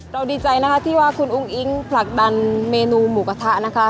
ดีใจนะคะที่ว่าคุณอุ้งอิ๊งผลักดันเมนูหมูกระทะนะคะ